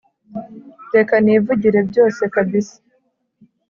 reka nivugire byose kabisa